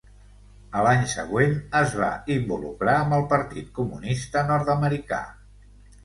A l'any següent es va involucrar amb el Partit Comunista Nord-americà.